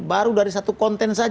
baru dari satu konten saja